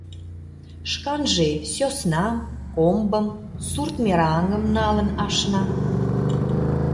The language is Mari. Шканже сӧснам, комбым, сурт мераҥым налын ашна.